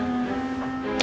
kalau ke kiki sih